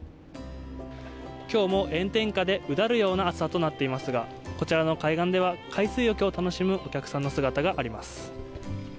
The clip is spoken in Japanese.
きょうも炎天下で、うだるような暑さとなっていますが、こちらの海岸では、海水浴を楽しむお客さんの姿があります。